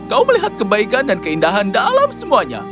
kau melihat kebaikan dan keindahan dalam semuanya